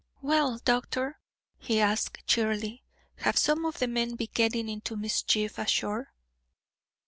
"Well, doctor," he asked, cheerily, "have some of the men been getting into mischief ashore?"